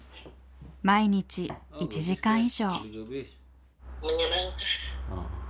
毎日１時間以上。